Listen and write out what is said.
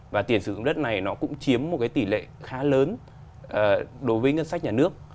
và tiền sử dụng đất này nó cũng chiếm một cái tỷ lệ khá lớn đối với ngân sách nhà nước